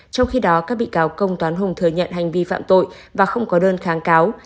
trong khi đó các bị cáo công toán hùng thừa nhận hành vi phạm tội và không có đơn kháng cáo